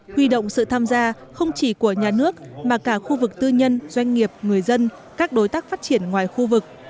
huy động sự tham gia không chỉ của nhà nước mà cả khu vực tư nhân doanh nghiệp người dân các đối tác phát triển ngoài khu vực